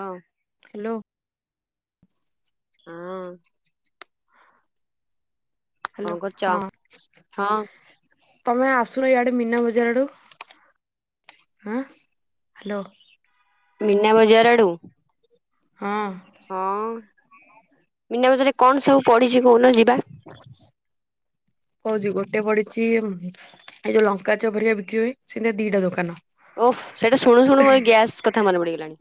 ହଉ। ହ୍ୟାଲୋ। ହଁ। କଣ ହ୍ୟାଲୋ କରୁଛ? ହଁ। ହଁ ତୋମେ ଆସୁନ ଇଆଡେ ମିନା ବଜାର ଆଡୁ। ଆଁ, ହ୍ୟାଲୋ। ମିନା ବଜାର ଆଡୁ? ହଁ। ହଁ, ମିନା ବଜାରରେ କଣ ସବୁ ପଡିଛି କହୁନ ଯିବା? ହ [unintelligible] କହୁଚି ଗୋଟେ ପଡିଛି ଏମ୍ ହେ ଏଇ ଯୋଉ ଲଙ୍କା ଚପରଆା ବିକ୍ରି ହୁଏ, ସେମିତିଆ ଦିଟା ଦୋକାନ। ଓଃ ସେଇଟା ଶୁଣୁ ଶୁଣୁ ମୋର ଗ୍ୟାସ୍ କଥା ମନେ ପଡିଗଲାଣି।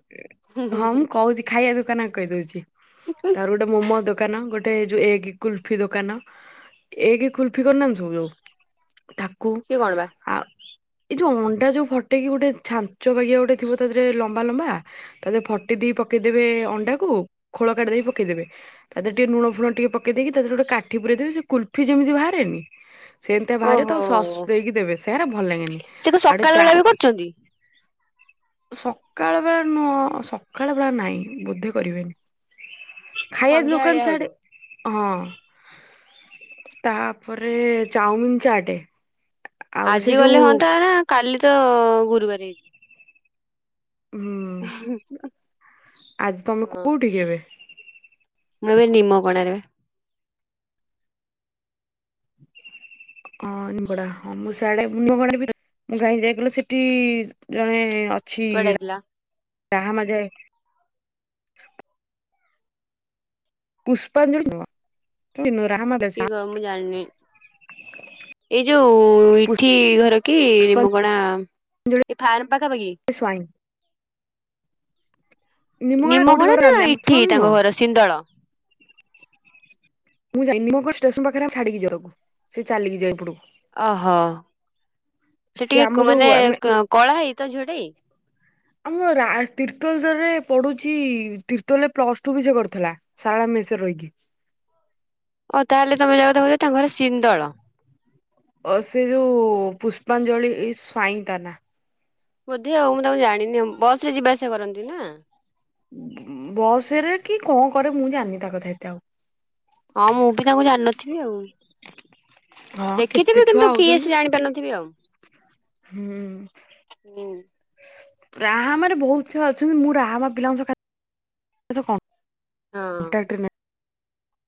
ହଁ ମୁଁ କହୁଚି ଖାଇବା ଦୋକାନ ଆଗ କହିଦଉଛି। ତାପରେ ଗୋ ଟେ ମୋମୋ ଦୋକାନ, ଗୋଟେ ଏଇ ଯୋଉ ଏଗେ କୁଲଫି ଦୋକାନ, ଏଗ୍ ଖୁଲ ଫି କରିନାହାନ୍ତି ସବୁ ଯୋଉ, ତାକୁ ସିଏ କଣ ବା ଆ ଏଇ ଯୋଉ ଅଣ୍ଡା ଯୋଉ ଫଟେଇକି ଗୋଟେ ଛାଞ୍ଚ ବାଗିଆ ଗୋଟେ ଥିବ ତା ଦେହରେ ଲମ୍ବା ଲମ୍ବା। ତା ଦିହରେ ଫଟେ ଦେଇ ପକେଇଦେବେ ଅଣ୍ଡାକୁ ଖୋଳ କାଢି ଦେଇ ପକେଇଦେବେ। ତା ଦେହରେ ଟିକେ ଲୁଣ ଫୁଣ ଟିକେ ପକେଇ ଦେଇକି, ତା ଦେହରେ ଗୋଟେ କାଠି ପୂରେଇ ଦେବେ। ସେ କୁଲଫି ଯେମିତି ବାହାରେ ନି ସେମିତିଆ ବାହାରେ ତ ସସ୍ ଓହୋ ଦେଇକି ଦେବେ, ସେରା ଭଲ ଲାଗେନି। ସେ ତ ଆଉ ଗୋଟେ ସକାଳ ଚା ବେଳା ବି କରୁଛନ୍ତି। ସକାଳ ବେଳେ ନୁହଁ। ସଖାଳ ବେଳା ନାଇଁ, ବୁଧେ କରିବେନି। ଖାଇବା ଦୋକାନ ସନ୍ଧ୍ୟାବେଳିଆ ଛାଡି, ହଉଥିବ। ହଁ ତା ପରେ ଚାଉମିିନ୍, ଚାଟେ। ଆଉ ସେ ଆଜି ଯୋଉ ଗଲେ ହଅନ୍ତା ନା, କାଲି ତ ଗୁରୁବାରେ। ହୁଁ, ଆଜି ତୋମେ ହଁ କୋଉଠି କି ଏବେ? ମୁଁ ଏବେ ନିମପଡାରେ ବା। ଅଁ, [inaudible] ପଡା, ହଁ ମୁଁ ସିଆଡେ ନିମପଡାରେ ବି ମୁଁ କାଇଁ ଯାଇଥିଲି ସେଟି ଜଣେ ଅଛି କୁଆଡେ ଯାଇଥିଲା ରା-ରାହା ମା ଯେ ପୁଷ୍ପାଞ୍ଜଳି ନୁହଁ, ସିଏ ନୁହଁ, ରାହାମା ଦାସ କିଏ କଅ ମୁଁ ଜାଣିନି। ଏଇ ଯୋଉ ଇଠି ଘର କି ପୁଷ୍ପାଞ୍ଜଳି ନିମପଡା ଏ ଫାର୍ମ ପାଖା ପାଖି। ସ୍ୱାଇଁ। ନିମପଡା କୋଉଠି ନିମକଣା ଘର ନା ଜାଣିନି। ଇଠି [inaudible] ତାଙ୍କ ନୁହଁ। ଘର ସିନ୍ଦଳ। ମୁଁ ଯାଇନି ନିମ [inaudible] ଷ୍ଟେସନ ପାଖରେ ଆମେ ଛାଡିକି ଯାଉ ତାକୁ। ସିଏ ଚାଲିକି ଯାଏ ଏପଟକୁ। ଓହୋ! ସେ ଟିକେ ଆମ ଯୋଉ କ-ମାନେ ଆମେ କ-କଳା ହେଇ ତ ଝିଅ ଟେ କି? ଆମ ରା- ତିର୍ତୋଲଦରେ ପଢୁଛି ତିର୍ତୋଲରେ ପ୍ଲସ୍ ଟୁ ବି ସେ କରଥିଲା। ସାରଳା ମେସ୍ ରେ ରହିକି। ଓ ତାହେଲେ ତୋମେ ଯା କଥା କହୁଚ, ତା ଘର ସିନ୍ଦଳ। ଅ, ସେ ଯୋଉ ପୁଷ୍ପାଞ୍ଜଳି ସ୍ୱାଇଁ ତା ନାଁ। ବୋଧେ ଆଉ ମୁଁ ତାଙ୍କୁ ଜାଣିନି ଆଉ। ବସ୍ ରେ ଯିବା ଆସିବା କରନ୍ତି ନା? ଉଁ, ବସ୍ ରେ କି କଣ କରେ ମୁଁ ଜାଣିନି ତା କଥା ଏତେ ଆଉ। ହଁ ମୁଁ ବି ତାଙ୍କୁ ଜାଣିନଥିବି ଆଉ। ହଁ କେତେ ଦେଖିଥିବେ ଛୁଆ କିନ୍ତୁ କିଏ ଆଉଛନ୍ତି। ସେ ଜାଣିପାରିନଥିବି ଆଉ। ହୁଁ। ରାହାମାରେ ବହୁତ ଝିଅ ଅଛନ୍ତି ମୁଁ ରାହାମା ପିଲାଙ୍କୁ ସ ଏରା ସ ହଁ କନ୍ତାକ୍ଟ ରେ ନାଇଁ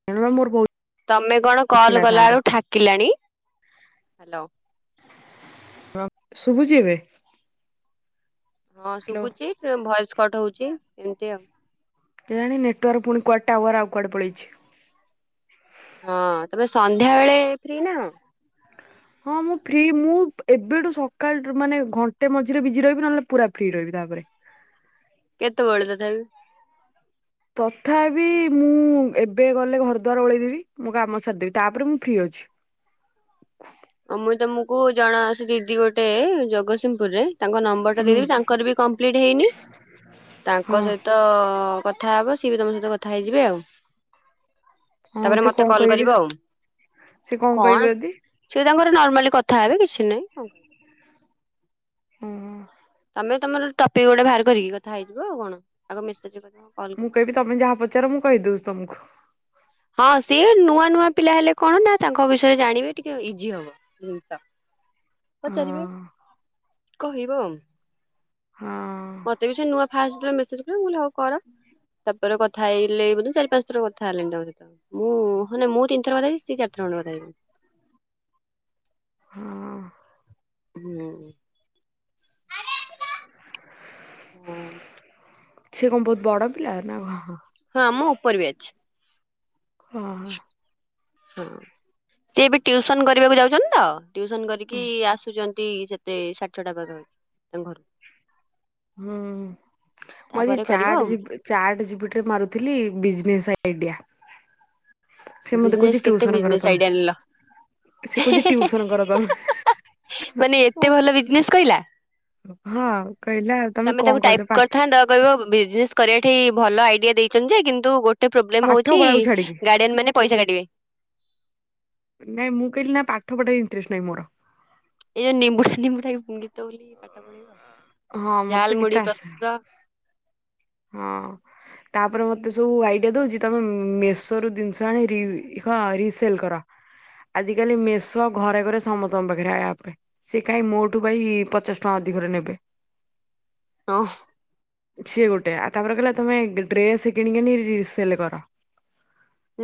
ସେନୁ ପା ମୋର ବହୁତ ତମେ କଣ କଲ ଚିହ୍ନା କଲା ଥାନ୍ତେ ବେଳୁ ଠାକିଲାଣି ହ୍ୟାଲୋ। ହଁ ଶୁଭୁଛି ଏବେ। ହଁ ହ୍ୟାଲୋ। ଶୁବୁଛି ଭଏସ କଟ ହଉଛି ଏମିତି ଆଉ। କେଜାଣି ନେଟୱାର୍କ ପୁଣି କୁଆଡେ ଟାୱାର ଆଉ କୁଆଡେ ପଳେଇଛି। ହଁ ତମେ ସନ୍ଧ୍ୟାବେଳେ ଫ୍ରି ନାହଁ? ହଁ ମୁଁ ଫ୍ରି ମୁଁ ଏବେଠୁ ସକାଳୁ ମାନେ ଘଣ୍ଟେ ମଝିରେ ବିଜି ରହିବି ନହେଲେ ପୁରା ଫ୍ରି ରହିବି ତାପରେ। କେତେବେଳେ ତଥାବି। ତଥାପି ମୁଁ ଏବେ ଗଲେ ଘର ଦ୍ୱାର ଓଳେଇଦେବି ମୋ କାମ ସାରିଦେବି ତାପରେ ମୁଁ ଫ୍ରି ଅଛି। ଅ ମୁଇଁ ତମକୁ ଜଣେ ଅଛି ଦିଦି ଗୋଟେ ଜଗତସିଂହପୁରରେ ତାଙ୍କ ନମ୍ବର ଟା ହୁଁ ଦେଇଦେବି ତାଙ୍କର ବି କମ୍ପ୍ଲିଟ୍ ହେଇନି। ତାଙ୍କ ହଁ ସହିତ କଥା ହବ ସିଏ ବି ତମ ସହିତ କଥା ହେଇଯିବେ ଆଉ। ହଁ ତାପରେ ସେ ମତେ କଣ କଲ୍ କରିବ କହିବେ ଆଉ। ସେ କଣ କହିବେ ଯଦି। ସିଏ ତାଙ୍କର ନର୍ମାଲି କଥା ହେବେ କିଛି ନାହିଁ କଁ। ହଁ। ତମେ ତମର ଟପିକ୍ ଗୋଟେ ବାହାର କରିକି କଥା ହେଇଯିବ ଆଉ କଣ ଆଗ ମେସେଜ ରେ କଥା ହୁଅ। ମୁଁ କହିବି ତମେ ଯାହା ପଚାର ମୁଁ କହିଦଉଛି ତମକୁ। ହଁ ସିଏ ନୂଆ ନୂଆ ପିଲା ହେଲେ କଣ ନା ତାଙ୍କ ବିଷୟରେ ଜାଣିବେ ଟିକେ ଇଜି ହବ। [unintelligible] ହଁ। ପଚାରିବେ କହିବ। ହଁ। ମତେ ବି ସେ ନୂଆ ଫାଷ୍ଟ ରେ ମେସେଜ କରେ ମୁ କହିଲି ହଉ କର। ର କଥା ହେଇଲେ ବ ଚାରି ପାଞ୍ଚ ଥର କଥା ହେଲିଣି ତାଙ୍କ ସହିତ ମୁଁ ହେନେ ମୁଁ ତିିନି ଥର କଥା ହେଇଛି ସିଏ ଚାର ଥର ଖଣ୍ଡେ କଥା ହେଇଛନ୍ତି। ହଁ। ହୁଁ। ହଁ। ସେ କଣ ବହୁତ ବଡ ପିଲା ନା କଣ? ହଁ ମୋ ଉପର ବ୍ୟାଚ୍। ହଁ ହଁ। ହଁ ସିଏ ଏବେ ଟିଉସନ କରିବାକୁ ଯାଉଛନ୍ତି ତ ଟିଉସନ କରିକି ଆସୁଛନ ନ୍ତି ସେତେ ସାଢେ ଛଅଟା ପାଖା ପାଖି ତାଙ୍କ ଘରୁ। ହୁଁ ମୁଁ ଆଜି ତାପରେ କରିବ ଆଉ ଚାଟଜିପି ଚାର୍ଟ ଜପିଟିରେ ମାରୁଥିଲି ବିଜନେସ୍ ଆଇଡିଆ। ସେ ମତେ ବିଜନେସ କହୁଛି କେତେ ଟ୍ୟୁସନ କର ବିଜନେସ ଆଇଡିଆ ନେଲ। ତମେ। ସେକହୁଛି ଟ୍ୟୁସନ କର ମାନେ ଏତେ ତମେ। ଭଲ ବିଜନେସ କହିଲା ହଁ କହିଲା ତମେ କଣ ତାକୁ କରୁଛ ଟାଇପ୍ ପାଠ କରିଥାନ୍ତ କହିବ ବିଜନେସ କରିବା ଠି ଭଲ ଆଇଡିଆ ଦେଇଛନ୍ତି ଯେ କିନ୍ତୁ ଗୋଟେ ଟେ ପ୍ରୋବଲେମ ପାଠ ହଉଛି ପଢାକୁ ଛାଡିକି ଗାର୍ଡିଆନ ମାନେ ପଇସା କାଟିବେ। ନାଇଁ ମୁଁ କହିଲି ନା ପାଠ ପଢ଼ା ରେ ଇଣ୍ଟରେଷ୍ଟ ନାଇଁ ମୋର। ଏଇ ଯୋଉ ନିମ୍ବୁଡା ନିମ୍ବୁଡା ଗିତ ବୋଲି ପାଠ ପଢେଇିବ ହଁ ଆଉ ମତେ ଜାଲ ଗୀତ ମୁଢି ଆସେ ପ୍ରସ୍ତୁତ। ହଁ। ତାପରେ ମତେ ସବୁ ଆଇଡିଆ ଦଉଛି ତମେ ମେସୋ ରୁ ଜିନିଷ ଆଣି ରିସେଲ କର। ଆଜିକାଲି ମେସୋ ଘରେ ଘରେ ସମସ୍ତଙ୍କ ପାଖରେ ଆପେ ସେ କାହିଁ ମୋଠୁ ଭାଇ ପଚାଶ ଟଙ୍କା ଅଧିକରେ ନେବେ? ହଁ। ସିଏ ଗୋଟେ ଆ ତାପରେ କହିଲା ତମେ ଡ୍ରେସ କିଣିକି ଆଣି ରିସେଲ କର।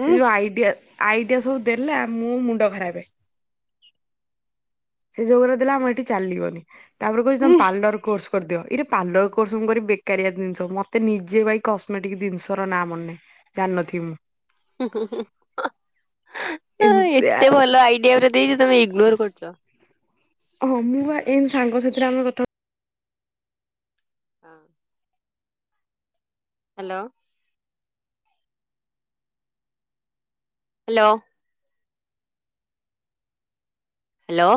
ଉଁ ସେ ଯୋଉ ଆଇଡିଆ ଆଇଡିଆ ସବୁ ଦେଲା ମୁଁ ମୁଣ୍ଡ ଖରାବେ। ସେ ଯୋଉଗୁରା ଦେଲା ଆମଏଠି ଚାଲିବନି ତାପରେ କହୁଛି ତମେ ଉଁ ପାର୍ଲର କୋର୍ସ କରିଦିଅ ଇରେ ପାର୍ଲର କୋର୍ସ ମୁଁ କରିବି ବେ କାରିଆ ଜିନିଷ ମତେ ନିଜେ ଭାଇ କସ୍ମେଟିକ ଜିନିଷ ର ନାଁ ମନେନାହିଁ ଜାଣିନଥିବି ମୁଁ। ହୁଁ ହୁଁ ହୁଁ ଏମିତିଆ ଏତେ ଭଲ ଆଇଡିଆ ଗୁରା ଦେଇଛି ତମେ ଇଗ୍ନୋର କରୁଛ ହଁ ମୁଁ ବା ଏମତି ସାଙ୍ଗ ସାହିଥିରେ ଆମେ କଥା ହ ଆଉ ହାଲୋ ହାଲୋ ହାଲୋ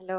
ହାଲୋ